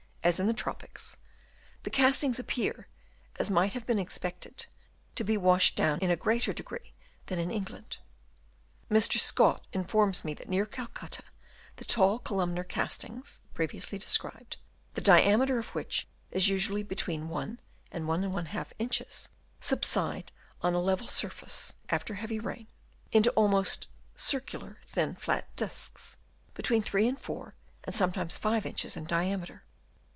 as in the tropics, the castings appear, as might have been expected, to be washed down in a greater degree than in England. Mr. Scott informs me that near Calcutta the tall columnar castings (previously described), the diameter of which is usually between 1 and 1^ inch, subside on a level surface, after heavy rain, into almost circular, thin, flat discs, between 3 and 4 and sometimes 5 inches in diameter.